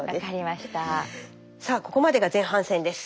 さあここまでが前半戦です。